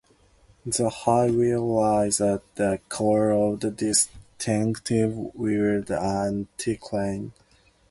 The High Weald lies at the core of the distinctive Weald anticline.